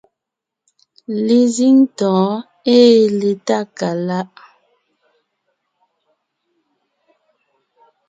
Lezíŋ tɔ̌ɔn ée le Tákaláʼ;